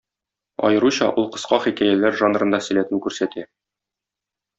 Аеруча ул кыска хикәяләр жанрында сәләтен күрсәтә.